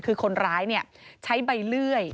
คือคนร้ายใช้ใบเลื่อย